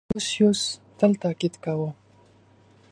• کنفوسیوس تل تأکید کاوه.